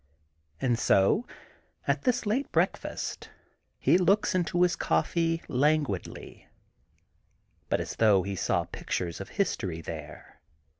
And so, at this late breakfast, he looks into his coflfee languidly, but as though he saw pictures of history there.